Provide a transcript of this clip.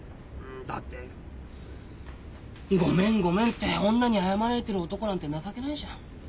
だって「ごめんごめん」って女に謝られてる男なんて情けないじゃん。